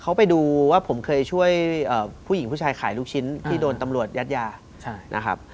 เขาไปดูว่าผมเคยช่วยผู้หญิงผู้ชายขายลูกชิ้นที่โดนตำรวจยัดยานะครับ